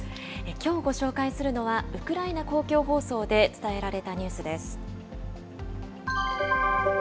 きょうご紹介するのは、ウクライナ公共放送で伝えられたニュースです。